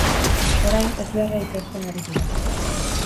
Orain, ezbeharra ikertzen ari dira.